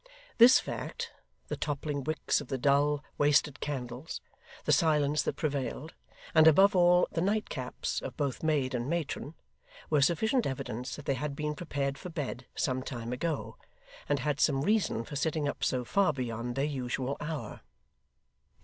This fact; the toppling wicks of the dull, wasted candles; the silence that prevailed; and, above all, the nightcaps of both maid and matron, were sufficient evidence that they had been prepared for bed some time ago, and had some reason for sitting up so far beyond their usual hour.